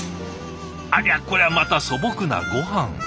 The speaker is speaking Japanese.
ありゃこりゃまた素朴なごはん。